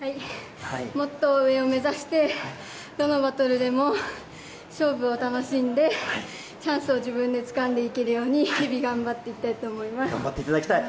もっと上を目指して、どのバトルでも勝負を楽しんで、チャンスを自分でつかんでいけるように、日々頑張っていきたいと頑張っていただきたい。